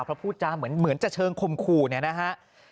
เพราะพูดจาเหมือนจะเชิงคมขู่เนี่ยนะฮะ